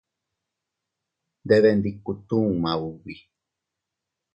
Ndebendikutuu maubi.